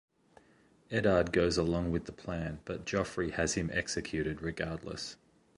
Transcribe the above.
Eddard goes along with the plan, but Joffrey has him executed regardless.